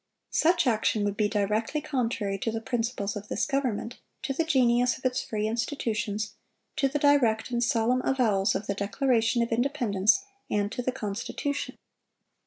Such action would be directly contrary to the principles of this government, to the genius of its free institutions, to the direct and solemn avowals of the Declaration of Independence, and to the Constitution.